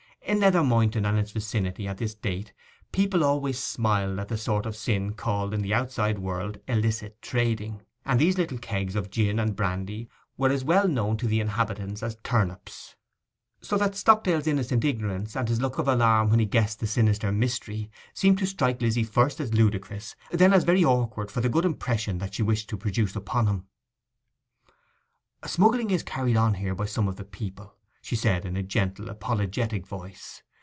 In Nether Moynton and its vicinity at this date people always smiled at the sort of sin called in the outside world illicit trading; and these little kegs of gin and brandy were as well known to the inhabitants as turnips. So that Stockdale's innocent ignorance, and his look of alarm when he guessed the sinister mystery, seemed to strike Lizzy first as ludicrous, and then as very awkward for the good impression that she wished to produce upon him. 'Smuggling is carried on here by some of the people,' she said in a gentle, apologetic voice.